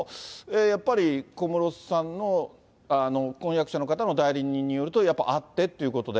やっぱり小室さんの婚約者の方の代理人によると、やっぱ、会ってっていうことで。